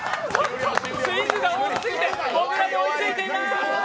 スイングが大きすぎてモグラに追いついていない！